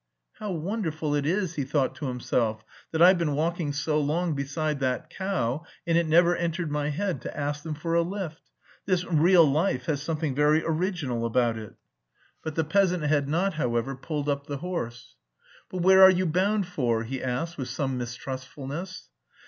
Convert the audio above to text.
"How wonderful it is," he thought to himself, "that I've been walking so long beside that cow and it never entered my head to ask them for a lift. This 'real life' has something very original about it." But the peasant had not, however, pulled up the horse. "But where are you bound for?" he asked with some mistrustfulness.